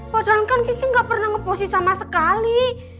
padahal kan kiki gak pernah ngebosi sama sekali